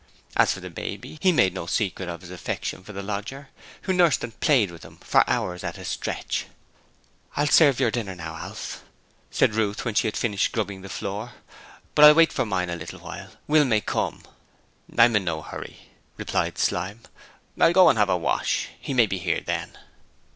As for the baby, he made no secret of his affection for the lodger, who nursed and played with him for hours at a stretch. 'I'll serve your dinner now, Alf,' said Ruth when she had finished scrubbing the floor, 'but I'll wait for mine for a little while. Will may come.' 'I'm in no hurry,' replied Slyme. 'I'll go and have a wash; he may be here then.'